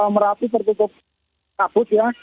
merapi tertutup kabut ya